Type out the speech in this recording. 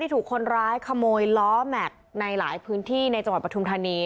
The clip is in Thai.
ถูกคนร้ายขโมยล้อแม็กซ์ในหลายพื้นที่ในจังหวัดปทุมธานี